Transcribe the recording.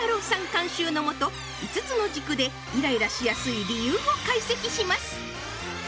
監修の下５つの軸でイライラしやすい理由を解析します